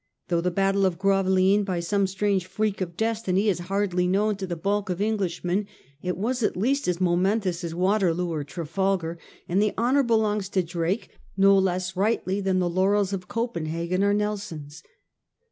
Though the battle of Gravelines, by some strange freak of destiny, is hardly known to the bulk of Englishmen, it was at least as momentous as Waterloo or Trafalgar, and the honour belongs to Drake no less rightly than the laurels of Copenhagen are Nelson's.